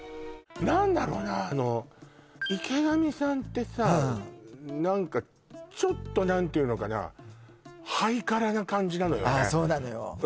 何だろうなあの池上さんってさ何かちょっと何ていうのかななのよねああそうなのよ